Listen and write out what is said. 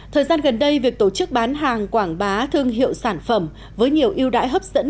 thời gian gần đây việc tổ chức bán hàng quảng bá thương hiệu sản phẩm với nhiều yêu đãi hấp dẫn